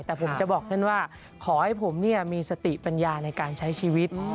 แต่ผมจะบอกท่านว่าขอให้ผมมีสติปัญญาในการใช้ชีวิต